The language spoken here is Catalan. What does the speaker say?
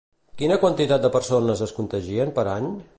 Quina quantitat de persones es contagien per any?